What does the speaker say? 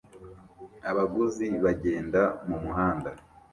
Abaguzi bagenda mumuhanda